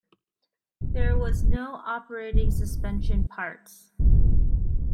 There was no operating suspension parts.